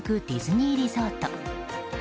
ディズニーリゾート。